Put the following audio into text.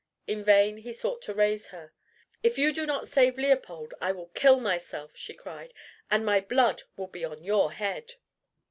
In vain he sought to raise her. "If you do not save Leopold, I will kill myself," she cried, "and my blood will be on your head."